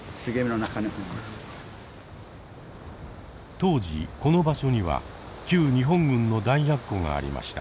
当時この場所には旧日本軍の弾薬庫がありました。